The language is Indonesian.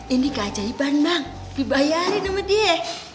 ini keajaiban bang dibayarin sama dia